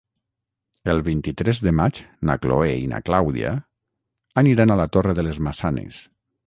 El vint-i-tres de maig na Chloé i na Clàudia aniran a la Torre de les Maçanes.